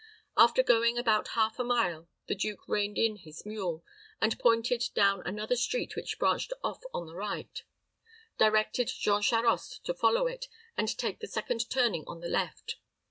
After going about half a mile, the duke reined in his mule, and pointing down another street which branched off on the right, directed Jean Charost to follow it, and take the second turning on the left.